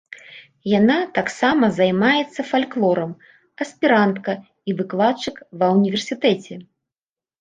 Яна таксама займаецца фальклорам, аспірантка і выкладчык ва ўніверсітэце.